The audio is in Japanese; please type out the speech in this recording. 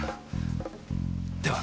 では。